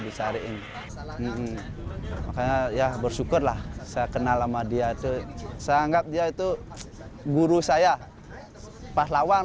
dicariin makanya ya bersyukurlah saya kenal sama dia itu saya anggap dia itu guru saya pahlawan